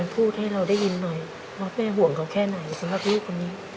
พูดให้เราได้ยินหน่อยว่าแม่ห่วงเขาแค่ไหนสำหรับลูกคนนี้